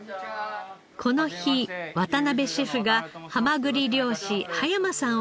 この日渡辺シェフがハマグリ漁師葉山さん